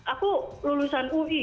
aku lulusan ui